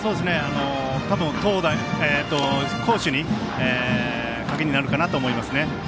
たぶん、投打、攻守の鍵になるかなと思いますね。